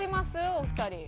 お二人。